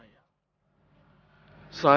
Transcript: saya enggak mau anak dan istri saya